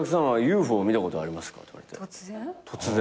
突然？